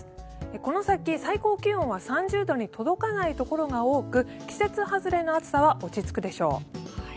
この先、最高気温は３０度に届かないところが多く季節外れの暑さは落ち着くでしょう。